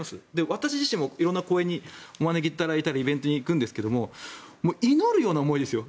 私自身も色んな講演にお招きいただいたりイベントに行くんですが祈るような思いですよ。